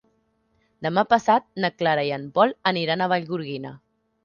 Demà passat na Clara i en Pol aniran a Vallgorguina.